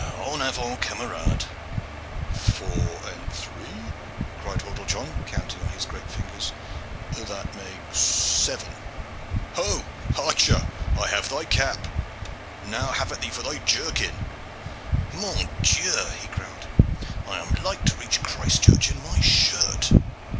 En avant, camarade!" "Four and three," cried Hordle John, counting on his great fingers, "that makes seven. Ho, archer, I have thy cap! Now have at thee for thy jerkin!" "Mon Dieu!" he growled, "I am like to reach Christchurch in my shirt."